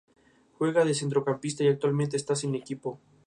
Juega de centrocampista y actualmente está sin equipo.